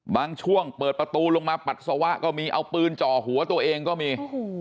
บางช่วงเปิดประตูลงมาปัสสาวะก็มีเอาปืนจ่อหัวตัวเองก็มี